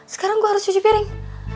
sekarang gue harus cuci piring